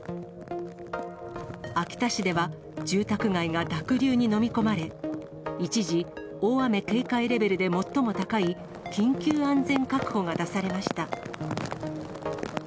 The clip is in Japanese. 秋田市では住宅街が濁流に飲み込まれ、一時、大雨警戒レベルで最も高い緊急安全確保が出されました。